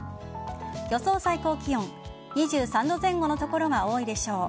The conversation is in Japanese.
予想最高気温２３度前後の所が多いでしょう。